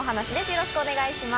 よろしくお願いします。